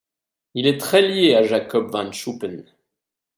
Il est très lié à Jacob van Schuppen.